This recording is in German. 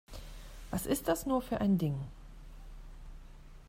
Was ist das nur für ein Ding?